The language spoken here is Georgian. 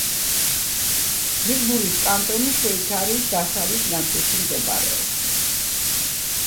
ფრიბურის კანტონი შვეიცარიის დასავლეთ ნაწილში მდებარეობს.